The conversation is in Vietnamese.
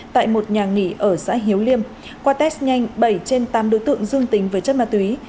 tại một nhà nghỉ ở xã hiếu liêm qua test nhanh bảy trên tám đối tượng dương tính với chất ma túy